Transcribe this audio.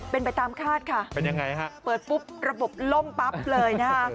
เป็นไปตามคาดค่ะเป็นยังไงฮะเปิดปุ๊บระบบล่มปั๊บเลยนะคะ